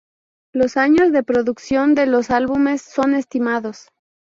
Los años de producción de los álbumes son estimados.